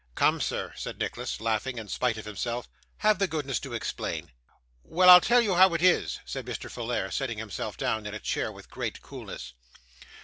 'Come, sir,' said Nicholas, laughing in spite of himself. 'Have the goodness to explain.' 'Why, I'll tell you how it is,' said Mr. Folair, sitting himself down in a chair with great coolness.